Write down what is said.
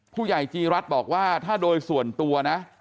ผู้ใหญ่จีรัทธ์บอกว่าถ้าโดยส่วนตัวนะ